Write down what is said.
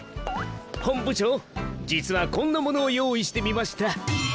本部長実はこんなものを用意してみました。